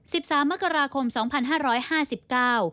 สามมกราคมสองพันห้าร้อยห้าสิบเก้า